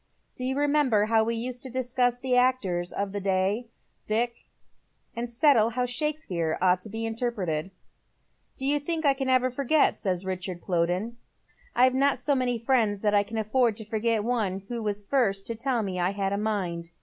Do you remember how we used to discuss the actors of the day, Dick, and settle how Shakespeare ought to be interpreted ?"" Do you think 1 can ever forget ?" asks Richard Plowden. " I've not so many friends that I can afford to forget the one who was the first to tell me I had a mind.